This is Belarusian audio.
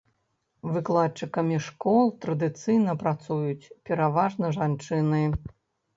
Выкладчыкамі школ традыцыйна працуюць пераважна жанчыны.